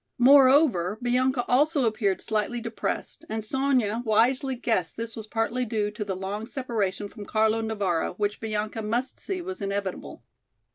Moreover, Bianca also appeared slightly depressed and Sonya wisely guessed this was partly due to the long separation from Carlo Navara, which Bianca must see was inevitable.